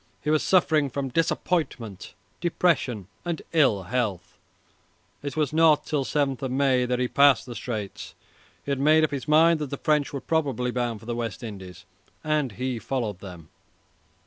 He was suffering from disappointment, depression, and ill health. It was not till 7 May that he passed the Straits. He had made up his mind that the French were probably bound for the West Indies, and he followed them.